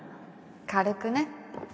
軽くね